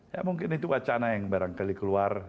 ya mungkin itu wacana yang barangkali keluar